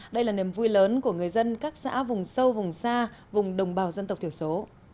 đây là niềm vui lớn của người dân các xã vùng sâu vùng xa vùng đồng bào dân tộc thiểu số